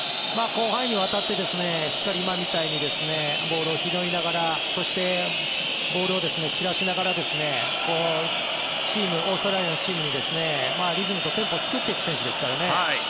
広範囲にわたってしっかり今みたいにボールを拾いながらそしてボールを散らしながらオーストラリアのチームにリズムとテンポを作っていく選手ですからね。